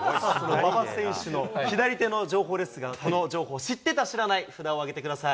馬場選手の左手の情報ですが、この情報を知ってた、知らない、札を上げてください。